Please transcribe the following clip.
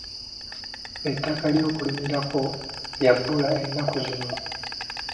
Ettaka ly'okulimirako lya bbula ennaku zino.